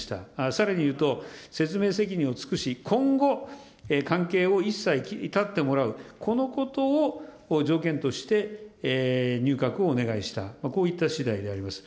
さらに言うと、説明責任を尽くし、今後、関係を一切断ってもらう、このことを条件として、入閣をお願いした、こういったしだいであります。